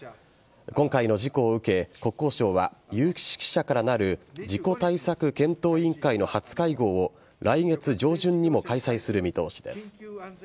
今回の事故を受け国交省は有識者からなる事故対策検討委員会の初会合を来月上旬にも開催する見通しです。